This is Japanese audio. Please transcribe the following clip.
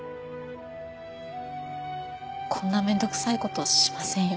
こんな面倒くさい事しませんよ。